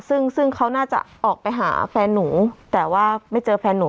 ซึ่งซึ่งเขาน่าจะออกไปหาแฟนหนูแต่ว่าไม่เจอแฟนหนู